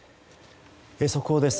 速報です。